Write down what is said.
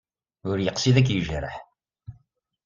Ur yeqsid ad k-yejreḥ.